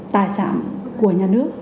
tài sản của nhà nước